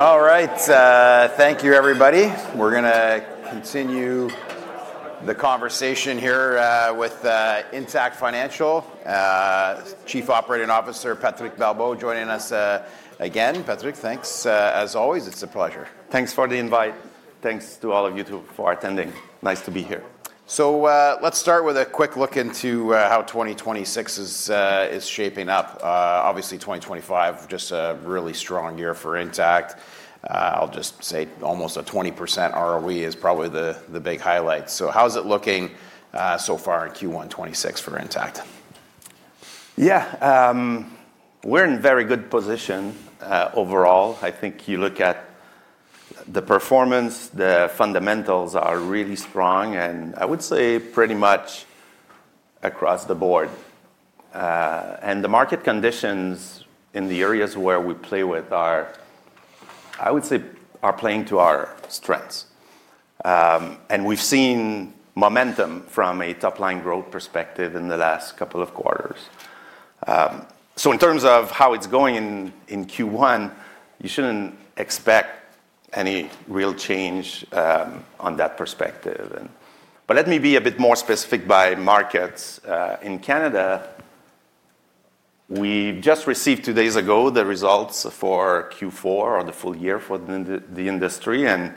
All right. Thank you everybody. We're gonna continue the conversation here with Intact Financial Chief Operating Officer Patrick Barbeau joining us again. Patrick, thanks. As always, it's a pleasure. Thanks for the invite. Thanks to all of you too for attending. Nice to be here. Let's start with a quick look into how 2026 is shaping up. Obviously, 2025 just a really strong year for Intact. I'll just say almost a 20% ROE is probably the big highlight. How is it looking so far in Q1 2026 for Intact? Yeah. We're in very good position, overall. I think you look at the performance, the fundamentals are really strong, and I would say pretty much across the board. The market conditions in the areas where we play are, I would say, are playing to our strengths. We've seen momentum from a top-line growth perspective in the last couple of quarters. In terms of how it's going in Q1, you shouldn't expect any real change on that perspective. Let me be a bit more specific by markets. In Canada, we just received two days ago the results for Q4 or the full year for the industry, and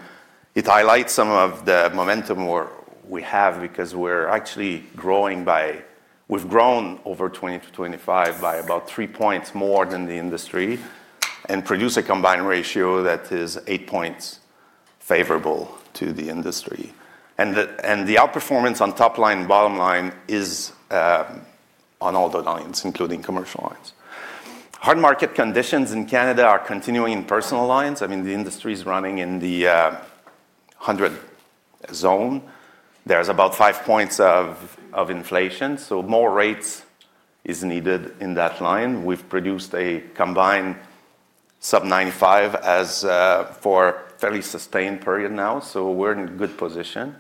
it highlights some of the momentum where we have because we're actually growing by... We've grown over 20-25 by about 3 points more than the industry and produce a combined ratio that is 8 points favorable to the industry. The outperformance on top line, bottom line is on all the lines, including commercial lines. Hard market conditions in Canada are continuing in personal lines. I mean, the industry is running in the 100 zone. There's about 5 points of inflation, so more rates is needed in that line. We've produced a combined sub-95 for fairly sustained period now, so we're in good position.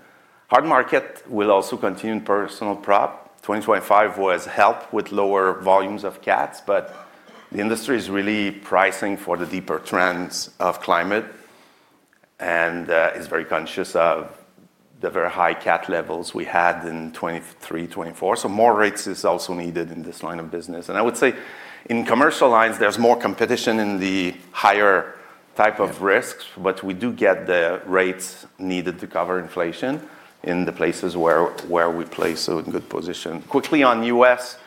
Hard market will also continue in personal property. 2025 was helped with lower volumes of cats, but the industry is really pricing for the deeper trends of climate and is very conscious of the very high cat levels we had in 2023, 2024. More rates is also needed in this line of business. I would say in commercial lines, there's more competition in the higher type of risks, but we do get the rates needed to cover inflation in the places where we play so in good position. Quickly on U.S.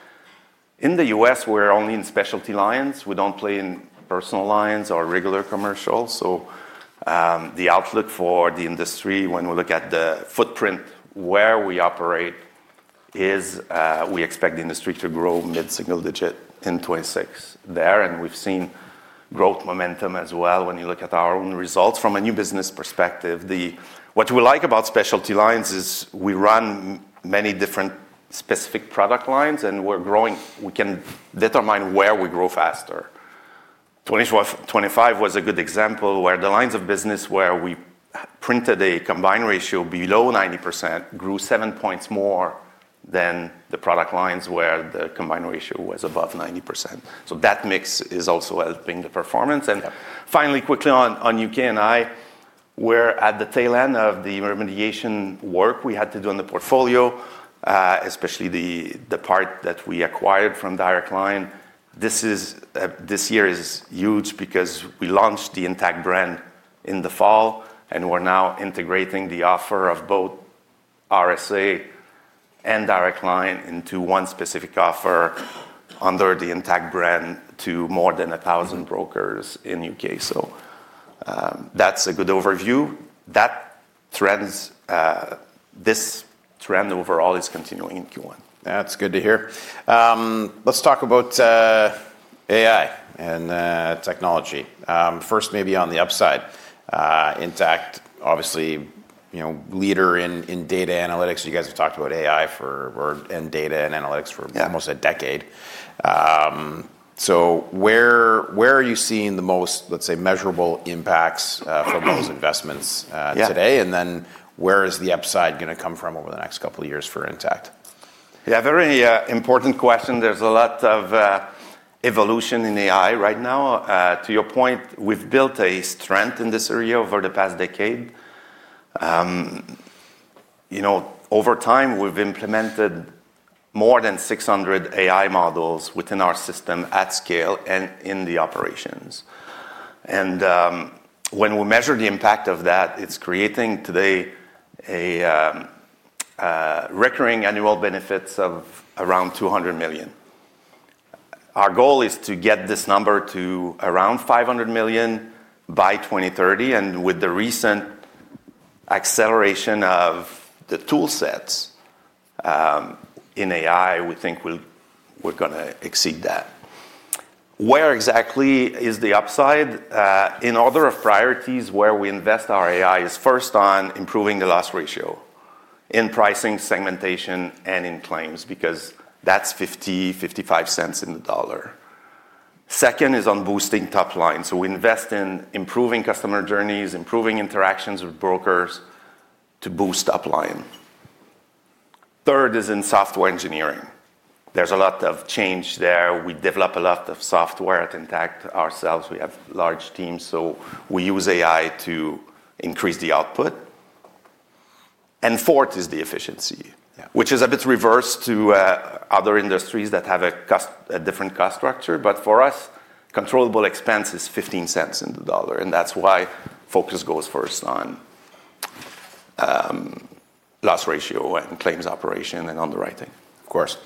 In the U.S., we're only in specialty lines. We don't play in personal lines or regular commercials. The outlook for the industry when we look at the footprint where we operate is, we expect the industry to grow mid-single digit in 2026 there. We've seen growth momentum as well when you look at our own results from a new business perspective. What we like about specialty lines is we run many different specific product lines, and we're growing. We can determine where we grow faster. 2025 was a good example where the lines of business we printed a combined ratio below 90% grew 7 points more than the product lines where the combined ratio was above 90%. That mix is also helping the performance. Yeah. Finally, quickly on U.K.&I., we're at the tail end of the remediation work we had to do on the portfolio, especially the part that we acquired from Direct Line. This year is huge because we launched the Intact brand in the fall, and we're now integrating the offer of both RSA and Direct Line into one specific offer under the Intact brand to more than 1,000 brokers in U.K. That's a good overview. Those trends, this trend overall is continuing in Q1. That's good to hear. Let's talk about AI and technology. First maybe on the upside. Intact, obviously, you know, leader in data analytics. You guys have talked about AI and data and analytics for- Yeah. -almost a decade. Where are you seeing the most, let's say, measurable impacts from those investments today? Yeah. Where is the upside gonna come from over the next couple of years for Intact? Yeah, very important question. There's a lot of evolution in AI right now. To your point, we've built a strength in this area over the past decade. You know, over time, we've implemented more than 600 AI models within our system at scale and in the operations. When we measure the impact of that, it's creating today a recurring annual benefits of around 200 million. Our goal is to get this number to around 500 million by 2030, and with the recent acceleration of the tool sets in AI, we think we're gonna exceed that. Where exactly is the upside? In order of priorities where we invest our AI is first on improving the loss ratio in pricing, segmentation, and in claims because that's 50-55 cents in the dollar. Second is on boosting top line. We invest in improving customer journeys, improving interactions with brokers to boost top line. Third is in software engineering. There's a lot of change there. We develop a lot of software at Intact ourselves. We have large teams, so we use AI to increase the output. Fourth is the efficiency. Yeah. Which is a bit reversed to other industries that have a different cost structure. For us, controllable expense is 15 cents in the dollar, and that's why focus goes first on loss ratio and claims operation and underwriting. Of course.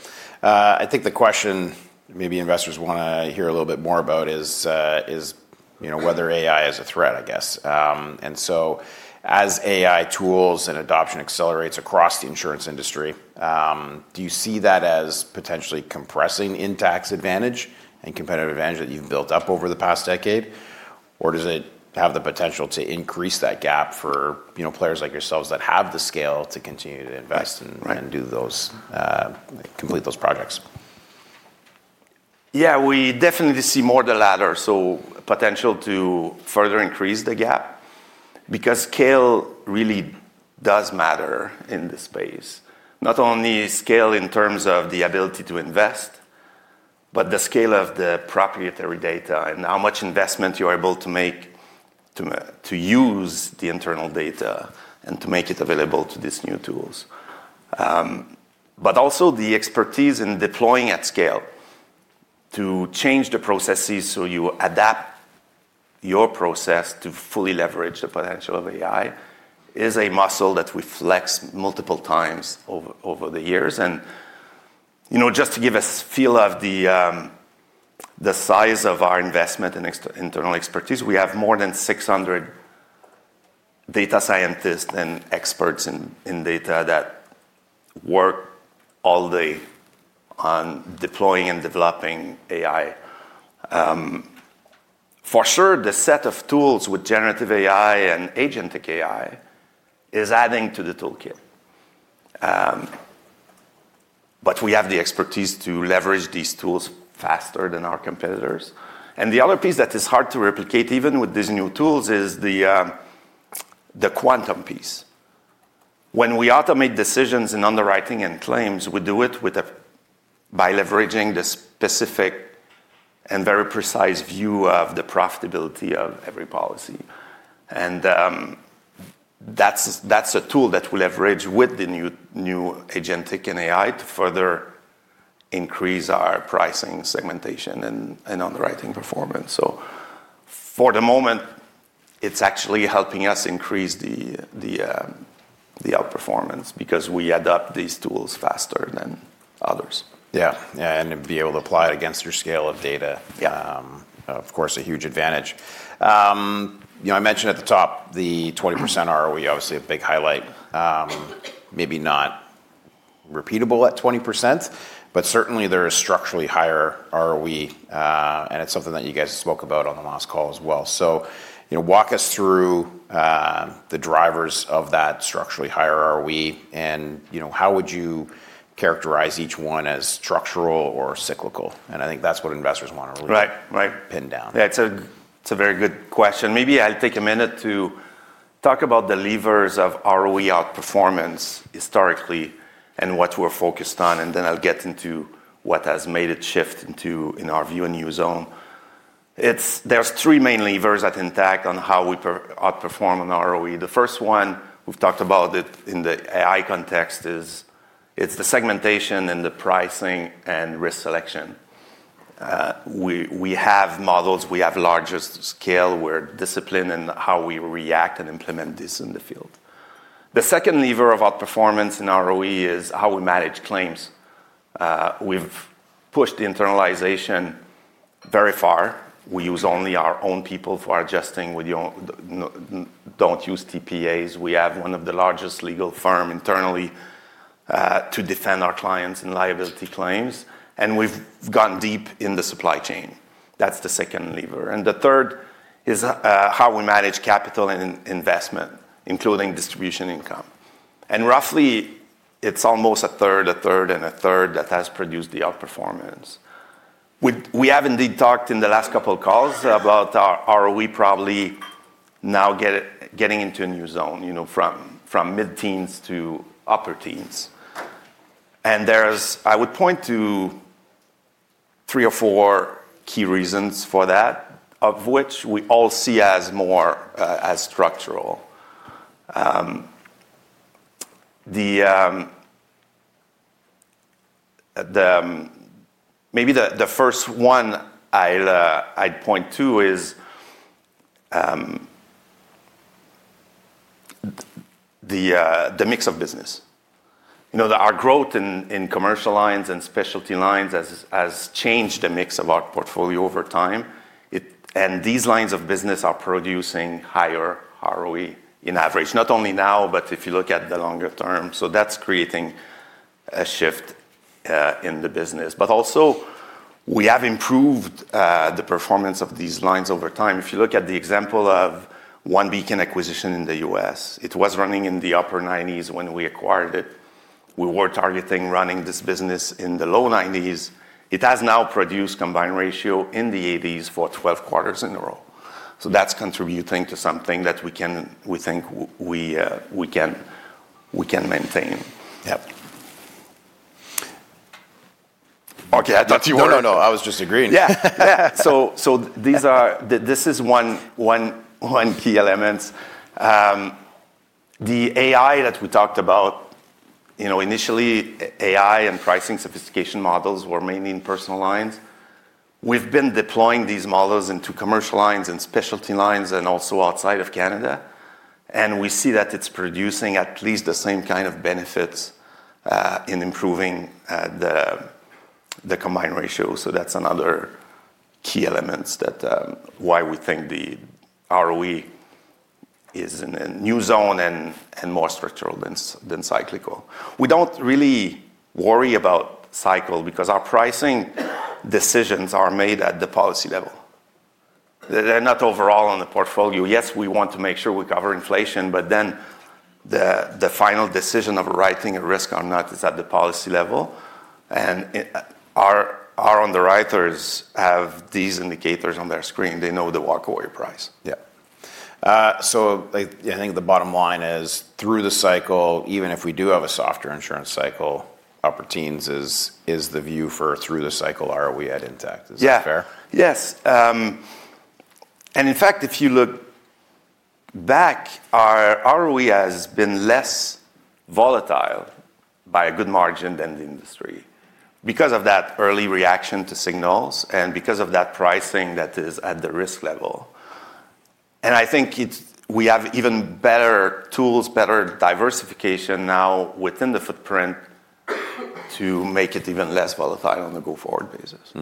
I think the question maybe investors wanna hear a little bit more about is, you know, whether AI is a threat, I guess. As AI tools and adoption accelerates across the insurance industry, do you see that as potentially compressing Intact's advantage and competitive advantage that you've built up over the past decade? Or does it have the potential to increase that gap for, you know, players like yourselves that have the scale to continue to invest and- Right... do those complete those projects? Yeah, we definitely see more the latter, so potential to further increase the gap because scale really does matter in this space. Not only scale in terms of the ability to invest, but the scale of the proprietary data and how much investment you are able to make to use the internal data and to make it available to these new tools. But also the expertise in deploying at scale to change the processes so you adapt your process to fully leverage the potential of AI is a muscle that we've flexed multiple times over the years. You know, just to give a sense of the size of our investment and internal expertise, we have more than 600 data scientists and experts in data that work all day on deploying and developing AI. For sure the set of tools with generative AI and agentic AI is adding to the toolkit. We have the expertise to leverage these tools faster than our competitors. The other piece that is hard to replicate, even with these new tools, is the quantum piece. When we automate decisions in underwriting and claims, we do it by leveraging the specific and very precise view of the profitability of every policy. That's a tool that we leverage with the new agentic and AI to further increase our pricing segmentation and underwriting performance. For the moment, it's actually helping us increase the outperformance because we adapt these tools faster than others. Yeah. Yeah, and to be able to apply it against your scale of data. Yeah. Of course, a huge advantage. You know, I mentioned at the top the 20% ROE, obviously a big highlight. Maybe not repeatable at 20%, but certainly there is structurally higher ROE, and it's something that you guys spoke about on the last call as well. You know, walk us through the drivers of that structurally higher ROE and, you know, how would you characterize each one as structural or cyclical? I think that's what investors wanna really Right. Right pin down. Yeah, it's a very good question. Maybe I'll take a minute to talk about the levers of ROE outperformance historically and what we're focused on, and then I'll get into what has made it shift into, in our view, a new zone. There's three main levers at Intact on how we outperform on ROE. The first one, we've talked about it in the AI context, is it's the segmentation and the pricing and risk selection. We have models, we have larger scale, we're disciplined in how we react and implement this in the field. The second lever of outperformance in ROE is how we manage claims. We've pushed the internalization very far. We use only our own people for adjusting. We don't use TPAs. We have one of the largest legal firm internally to defend our clients in liability claims, and we've gone deep in the supply chain. That's the second lever. The third is how we manage capital and investment, including distribution income. Roughly, it's almost a third, a third, and a third that has produced the outperformance. We have indeed talked in the last couple of calls about our ROE probably now getting into a new zone, you know, from mid-teens to upper teens. There's I would point to three or four key reasons for that, of which we all see as more structural. Maybe the first one I'd point to is the mix of business. You know, our growth in commercial lines and specialty lines has changed the mix of our portfolio over time. These lines of business are producing higher ROE on average, not only now, but if you look at the longer term. That's creating a shift in the business. Also we have improved the performance of these lines over time. If you look at the example of OneBeacon acquisition in the U.S., it was running in the upper 90s when we acquired it. We were targeting running this business in the low 90s. It has now produced combined ratio in the 80s for 12 quarters in a row. That's contributing to something that we think we can maintain. Yep. Okay, I thought you wanted. No, no, I was just agreeing. These are the key elements. This is one key element. The AI that we talked about, you know, initially AI and pricing sophistication models were mainly in personal lines. We've been deploying these models into commercial lines and specialty lines and also outside of Canada, and we see that it's producing at least the same kind of benefits in improving the combined ratio. That's another key element that why we think the ROE is in a new zone and more structural than cyclical. We don't really worry about cycle because our pricing decisions are made at the policy level. They're not overall on the portfolio. Yes, we want to make sure we cover inflation, but the final decision of writing a risk or not is at the policy level, and our underwriters have these indicators on their screen. They know the walkaway price. Yeah. Like I think the bottom line is through the cycle, even if we do have a softer insurance cycle, upper teens is the view for through the cycle ROE at Intact. Is that fair? In fact, if you look back, our ROE has been less volatile by a good margin than the industry because of that early reaction to signals and because of that pricing that is at the risk level. I think we have even better tools, better diversification now within the footprint to make it even less volatile on the go-forward basis.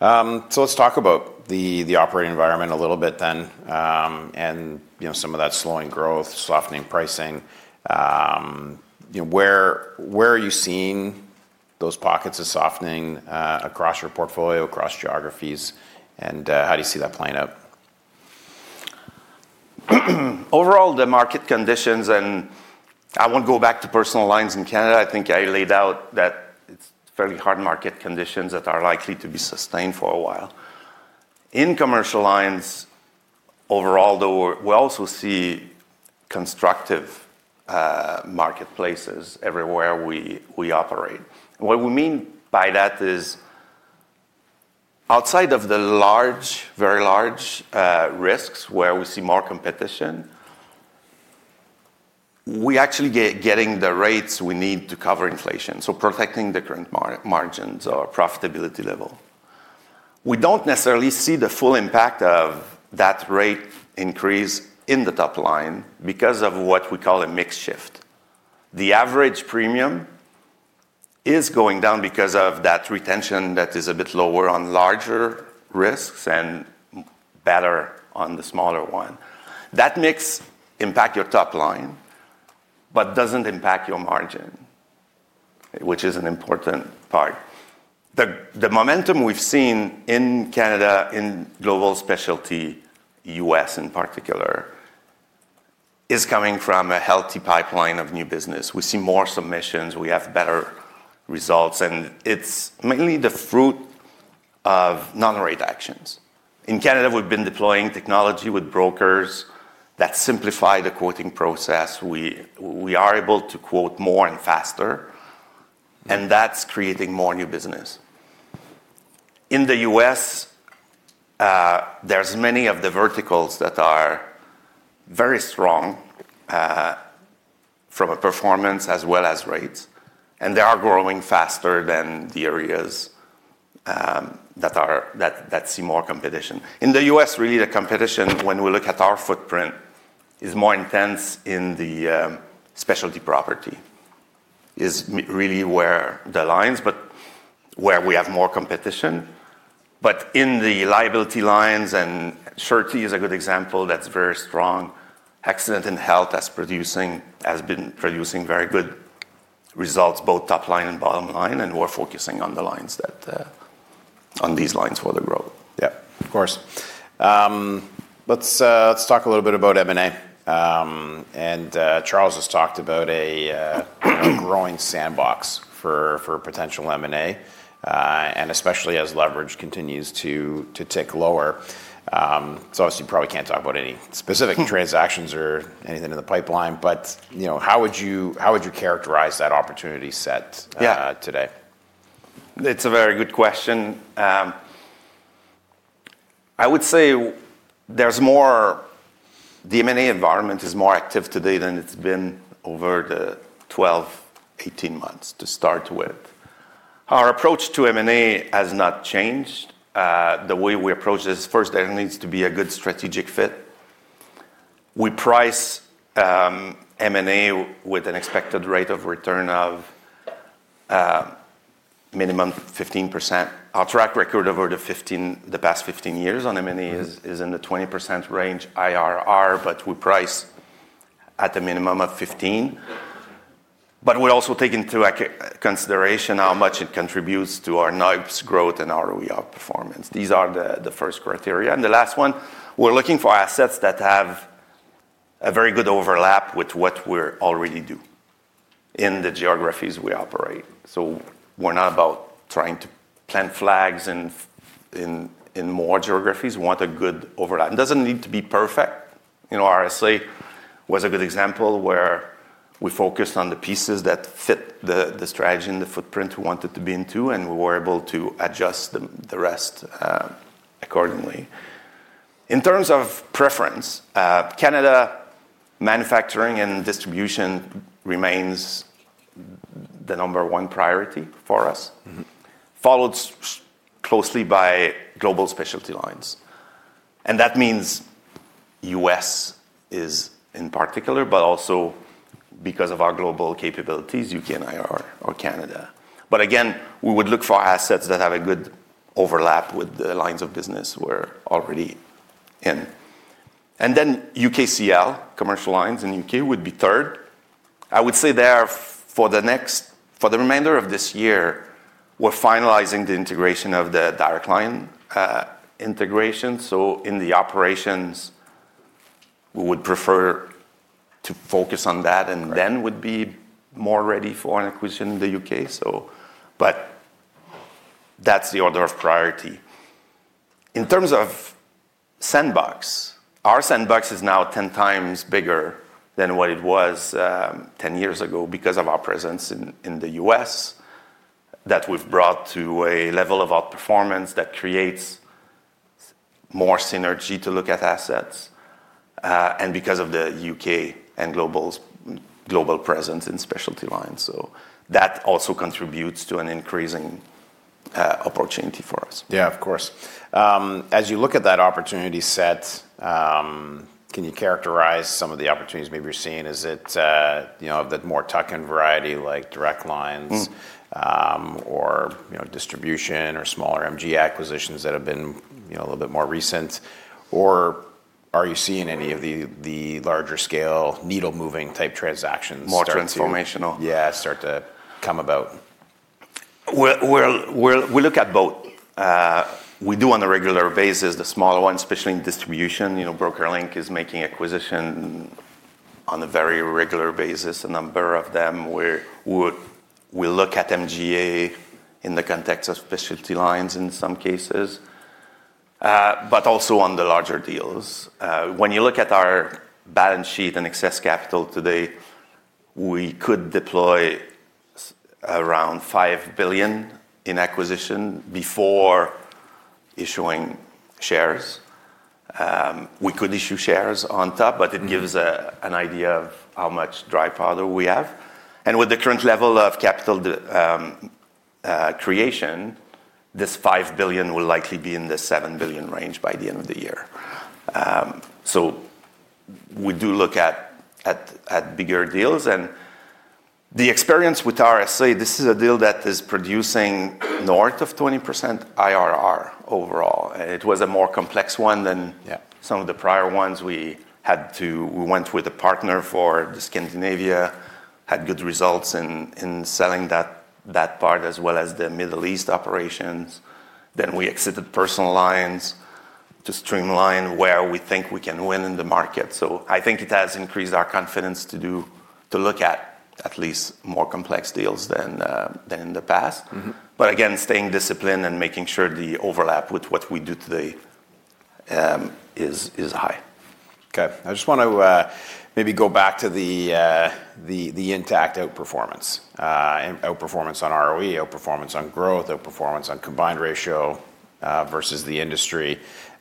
Let's talk about the operating environment a little bit then, and, you know, some of that slowing growth, softening pricing. You know, where are you seeing those pockets of softening across your portfolio, across geographies, and how do you see that playing out? Overall, the market conditions and I won't go back to personal lines in Canada. I think I laid out that it's very hard market conditions that are likely to be sustained for a while. In commercial lines overall, though we also see constructive marketplaces everywhere we operate. What we mean by that is outside of the large, very large risks where we see more competition, we actually getting the rates we need to cover inflation, so protecting the current margins or profitability level. We don't necessarily see the full impact of that rate increase in the top line because of what we call a mix shift. The average premium is going down because of that retention that is a bit lower on larger risks and better on the smaller one. That mix impact your top line but doesn't impact your margin, which is an important part. The momentum we've seen in Canada, in global specialty, U.S. in particular, is coming from a healthy pipeline of new business. We see more submissions. We have better results, and it's mainly the fruit of non-rate actions. In Canada, we've been deploying technology with brokers that simplify the quoting process. We are able to quote more and faster, and that's creating more new business. In the U.S., there's many of the verticals that are very strong from a performance as well as rates, and they are growing faster than the areas that see more competition. In the U.S., really the competition, when we look at our footprint, is more intense in the specialty property is mainly where we have more competition. In the liability lines, and surety is a good example that's very strong. Accident and health has been producing very good results, both top line and bottom line, and we're focusing on these lines for the growth. Yeah, of course. Let's talk a little bit about M&A. Charles has talked about a growing sandbox for potential M&A, especially as leverage continues to tick lower. Obviously you probably can't talk about any specific transactions or anything in the pipeline, but you know, how would you characterize that opportunity set? Yeah today? It's a very good question. I would say there's more. The M&A environment is more active today than it's been over the 12, 18 months to start with. Our approach to M&A has not changed. The way we approach this, first, there needs to be a good strategic fit. We price M&A with an expected rate of return of minimum 15%. Our track record over the past 15 years on M&A is in the 20% range IRR, but we price at a minimum of 15%. We also take into consideration how much it contributes to our NOIPS growth and ROE outperformance. These are the first criteria. The last one, we're looking for assets that have a very good overlap with what we already do in the geographies we operate. We're not about trying to plant flags in more geographies. We want a good overlap. It doesn't need to be perfect. You know, RSA was a good example where we focused on the pieces that fit the strategy and the footprint we wanted to be into and we were able to adjust the rest accordingly. In terms of preference, Canada manufacturing and distribution remains the number one priority for us. Mm-hmm. Followed closely by global specialty lines. That means U.S. is in particular, but also because of our global capabilities, U.K. and Ireland or Canada. We would look for assets that have a good overlap with the lines of business we're already in. Then UKCL, commercial lines in U.K., would be third. I would say, for the remainder of this year, we're finalizing the integration of the Direct Line integration. In the operations we would prefer to focus on that and then would be more ready for an acquisition in the U.K. That's the order of priority. In terms of sandbox, our sandbox is now 10x bigger than what it was 10 years ago because of our presence in the U.S. that we've brought to a level of outperformance that creates more synergy to look at assets, and because of the U.K. and Global's global presence in specialty lines. That also contributes to an increasing opportunity for us. Yeah, of course. As you look at that opportunity set, can you characterize some of the opportunities maybe you're seeing? Is it the more tuck-in variety like Direct Line- Mm. you know, distribution or smaller MGA acquisitions that have been, you know, a little bit more recent? Are you seeing any of the larger scale needle-moving type transactions start to More transformational? Yeah, start to come about. We look at both. We do on a regular basis the smaller ones, especially in distribution. You know, BrokerLink is making acquisitions on a very regular basis, a number of them where we look at MGA in the context of specialty lines in some cases. Also on the larger deals. When you look at our balance sheet and excess capital today, we could deploy around 5 billion in acquisitions before issuing shares. We could issue shares on top Mm-hmm.... but it gives an idea of how much dry powder we have. With the current level of capital creation, this 5 billion will likely be in the 7 billion range by the end of the year. We do look at bigger deals. The experience with RSA, this is a deal that is producing north of 20% IRR overall. It was a more complex one than- Yeah Some of the prior ones. We went with a partner for the Scandinavia, had good results in selling that part as well as the Middle East operations. We exited personal lines to streamline where we think we can win in the market. I think it has increased our confidence to look at least more complex deals than in the past. Mm-hmm. Again, staying disciplined and making sure the overlap with what we do today is high. Okay. I just want to maybe go back to the Intact outperformance. Outperformance on ROE, outperformance on growth, outperformance on combined ratio versus the industry.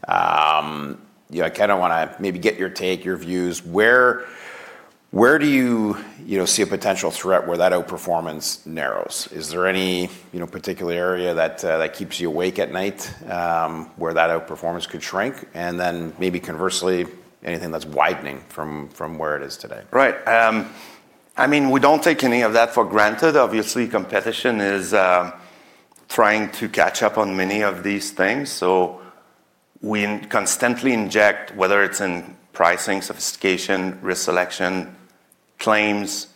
You know, I kinda wanna maybe get your take, your views. Where do you see a potential threat where that outperformance narrows? Is there any particular area that keeps you awake at night where that outperformance could shrink? And then maybe conversely, anything that's widening from where it is today? Right. I mean, we don't take any of that for granted. Obviously, competition is trying to catch up on many of these things. We constantly inject, whether it's in pricing, sophistication, risk selection, claims,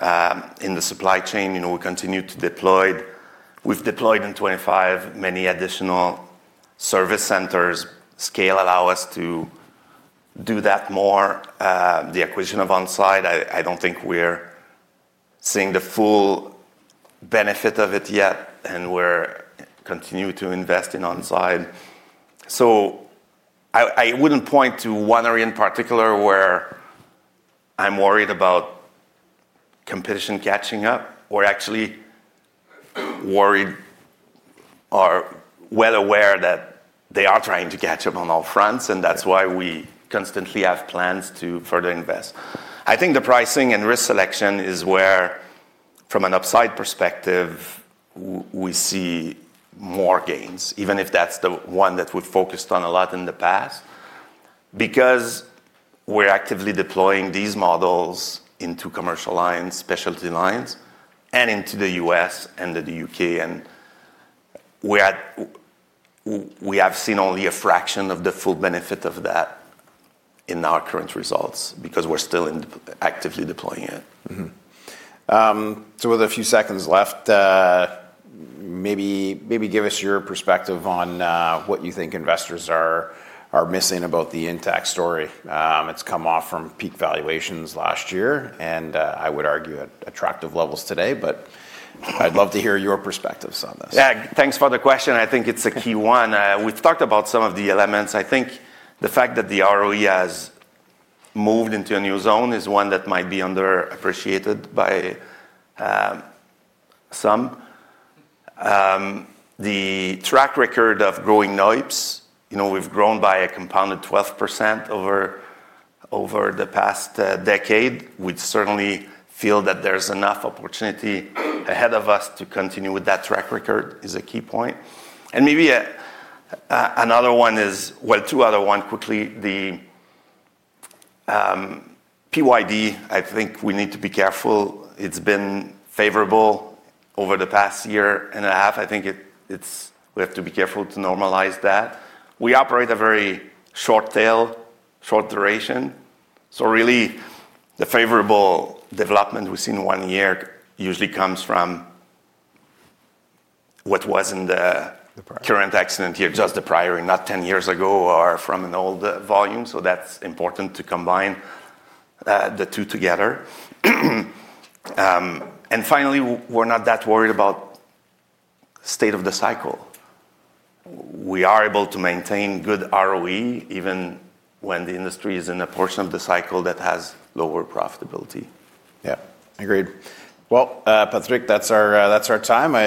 in the supply chain, you know, we continue to deploy. We've deployed in 25 many additional service centers. Scale allow us to do that more. The acquisition of On Side, I don't think we're seeing the full benefit of it yet, and we're continue to invest in On Side. I wouldn't point to one area in particular where I'm worried about competition catching up. We're actually worried or well aware that they are trying to catch up on all fronts, and that's why we constantly have plans to further invest. I think the pricing and risk selection is where, from an upside perspective, we see more gains, even if that's the one that we've focused on a lot in the past. Because we're actively deploying these models into commercial lines, specialty lines, and into the U.S. and the U.K., and we are we have seen only a fraction of the full benefit of that in our current results because we're still in actively deploying it. With a few seconds left, maybe give us your perspective on what you think investors are missing about the Intact story. It's come off from peak valuations last year and I would argue at attractive levels today, but I'd love to hear your perspectives on this. Yeah. Thanks for the question. I think it's a key one. We've talked about some of the elements. I think the fact that the ROE has moved into a new zone is one that might be underappreciated by some. The track record of growing NOIPS, you know, we've grown by a compounded 12% over the past decade. We'd certainly feel that there's enough opportunity ahead of us to continue with that track record is a key point. Maybe another one is well, two other one quickly. The PYD, I think we need to be careful. It's been favorable over the past year and a half. I think it's we have to be careful to normalize that. We operate a very short tail, short duration, so really the favorable development we see in one year usually comes from what was in the ... current accident year, just the prior and not 10 years ago or from an older volume, so that's important to combine the two together. Finally, we're not that worried about state of the cycle. We are able to maintain good ROE even when the industry is in a portion of the cycle that has lower profitability. Yeah. Agreed. Well, Patrick, that's our time. I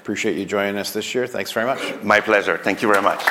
appreciate you joining us this year. Thanks very much. My pleasure. Thank you very much.